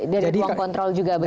dari ruang kontrol juga begitu ya